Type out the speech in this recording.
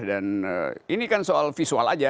dan ini kan soal visual saja